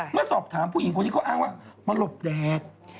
เมื่อสอบถามผู้หญิงคนนี้เขาอ้างว่ามาหลบแดด